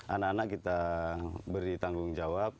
anak anak kita beri tanggung jawab